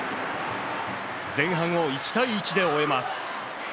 前半を１対１で終えます。